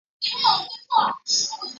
莫拉内。